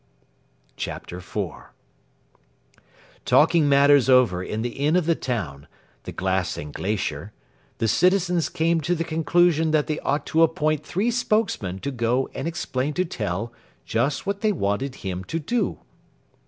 [Illustration: PLATE II] CHAPTER IV Talking matters over in the inn of the town, the Glass and Glacier, the citizens came to the conclusion that they ought to appoint three spokesmen to go and explain to Tell just what they wanted him to do.